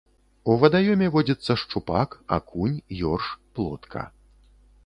У вадаёме водзіцца шчупак, акунь, ёрш, плотка.